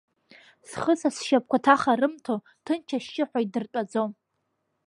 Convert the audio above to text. Схы, са сшьапқәа ҭаха рымҭо, ҭынч, ашьшьыҳәа идыртәаӡом.